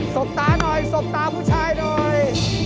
บตาหน่อยสบตาผู้ชายหน่อย